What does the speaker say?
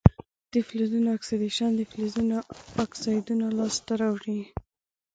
د فلزونو اکسیدیشن د فلزونو اکسایدونه لاسته راوړي.